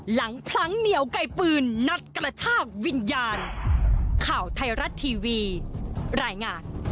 หลังพลั้งเหนียวไก่ปืนนัดกระชากวิญญาณ